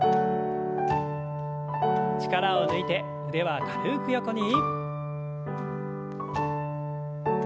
力を抜いて腕は軽く横に。